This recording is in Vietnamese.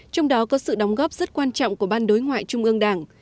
trong đó có sự đóng góp rất quan trọng của ban đối ngoại trung ương đảng